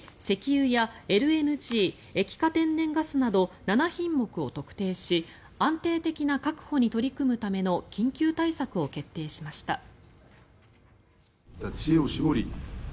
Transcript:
石油やＬＮＧ・液化天然ガスなど７品目を特定し安定的な確保に取り組むための緊急対策を決定しました。